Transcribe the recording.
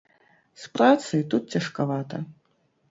З працай тут цяжкавата.